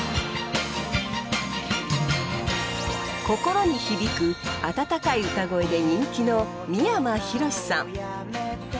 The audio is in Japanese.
心に響く温かい歌声で人気の三山ひろしさん！